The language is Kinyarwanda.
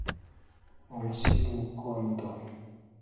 mu nsi y'umukondo